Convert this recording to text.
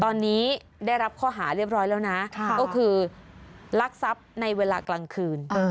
ตอนนี้ได้รับข้อหาเรียบร้อยแล้วนะก็คือลักทรัพย์ในเวลากลางคืน